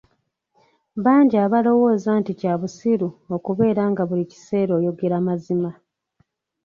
Bangi abalowooza nti kya busiru okubeera nga buli kiseera oyogera mazima.